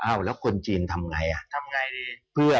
อ้าวแล้วคนจีนทำไงอ่ะ